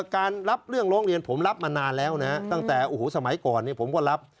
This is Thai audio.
การรับเรื่องร้องเรียนผมรับมานานแล้วนะตั้งแต่สมัยก่อนผมก็รับ